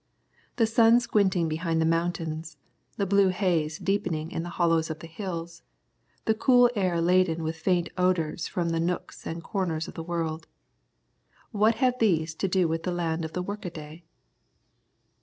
The sun squinting behind the mountains, the blue haze deepening in the hollows of the hills, the cool air laden with faint odours from the nooks and corners of the world, what have these to do with the land of the work a day?